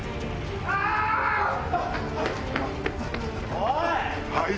・おい！